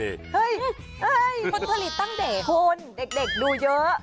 เฮ้ยผลผลิตตั้งเด่โคนเด็กดูเยอะ